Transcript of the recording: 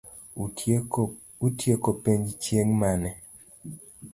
Utieko penj chieng' mane?